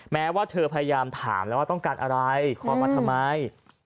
แม้ว่าเธอพยายามถามแล้วว่าต้องการอะไรคอมาทำไม